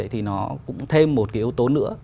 thì nó cũng thêm một cái yếu tố nữa